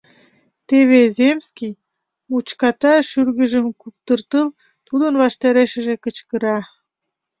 Теве земский, мучката шӱргыжым куптыртыл, тудын ваштарешыже кычкыра: